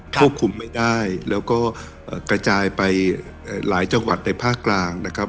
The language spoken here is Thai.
ควบคุมไม่ได้แล้วก็กระจายไปหลายจังหวัดในภาคกลางนะครับ